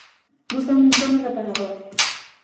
Buscamos un sono reparador.